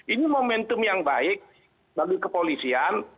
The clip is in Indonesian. ini momentum yang baik bagi kepolisian